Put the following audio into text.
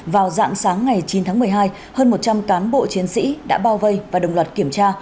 vào dạng sáng ngày chín tháng một mươi hai hơn một trăm linh cán bộ chiến sĩ đã bao vây và đồng loạt kiểm tra